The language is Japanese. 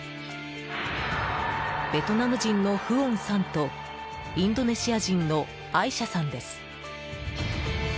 ベトナム人のフオンさんとインドネシア人のアイシャさんです。